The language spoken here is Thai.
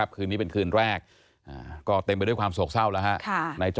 คืนนี้เป็นคืนแรกก็เต็มไปด้วยความโศกเศร้าแล้วฮะ